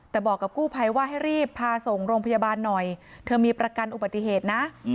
แต่บอกกับกู้ภัยว่าให้รีบพาส่งโรงพยาบาลหน่อยเธอมีประกันอุบัติเหตุนะ